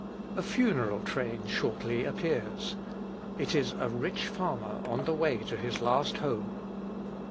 A funeral train shortly appears: it is a rich farmer on the way to his last home.